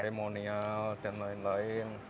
seremonial dan lain lain